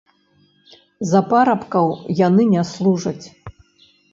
За парабкоў яны не служаць.